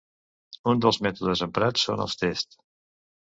Un dels mètodes emprats són els tests.